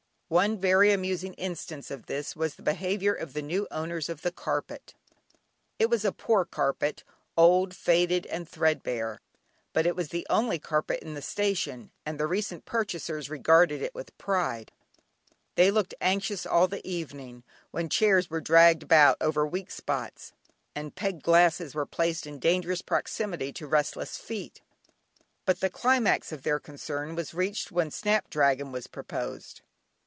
One very amusing instance of this was the behaviour of the new owners of the carpet. It was a poor carpet, old, faded, and thread bare, but it was the only carpet in the station and the recent purchasers regarded it with pride. They looked anxious all the evening, when chairs were dragged about over weak spots, and peg glasses were placed in dangerous proximity to restless feet. But the climax of their concern was reached when "Snap dragon" was proposed.